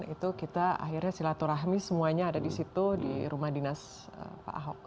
itu kita akhirnya silaturahmi semuanya ada di situ di rumah dinas pak ahok